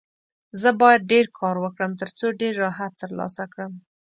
زه باید ډېر کار وکړم، ترڅو ډېر راحت ترلاسه کړم.